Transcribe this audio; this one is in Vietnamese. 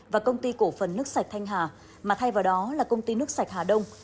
và công ty cổ phần nước sạch thanh hà mà thay vào đó là công ty nước sạch hà đông